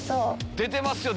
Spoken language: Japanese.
出てますよ